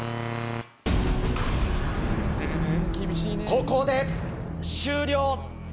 ここで終了。